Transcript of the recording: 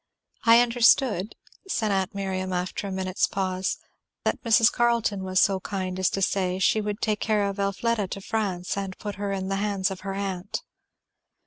"I understood," said aunt Miriam after a minute's pause, "that Mrs. Carleton was so kind as to say she would take care of Elfleda to France and put her in the hands of her aunt."